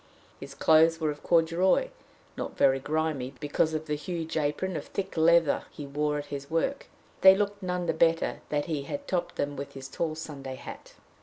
His clothes were of corduroy, not very grimy, because of the huge apron of thick leather he wore at his work, but they looked none the better that he had topped them with his tall Sunday hat.